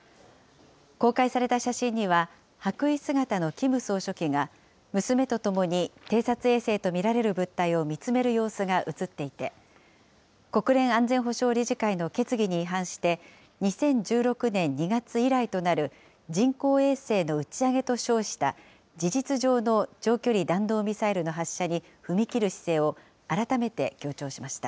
公開された写真には、白衣姿のキム総書記が、娘と共に偵察衛星と見られる物体を見つめる様子が写っていて、国連安全保障理事会の決議に違反して、２０１６年２月以来となる人工衛星の打ち上げと称した事実上の長距離弾道ミサイルの発射に踏み切る姿勢を改めて強調しました。